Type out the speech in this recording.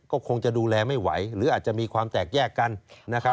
ก็คงจะดูแลไม่ไหวหรืออาจจะมีความแตกแยกกันนะครับ